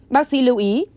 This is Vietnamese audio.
bác sĩ lưu ý